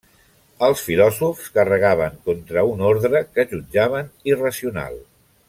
Els filòsofs carregaven contra un ordre que jutjaven irracional.